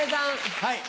はい。